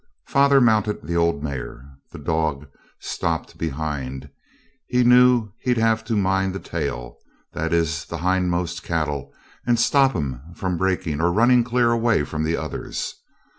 Father mounted the old mare. The dog stopped behind; he knew he'd have to mind the tail that is the hindmost cattle and stop 'em from breaking or running clear away from the others.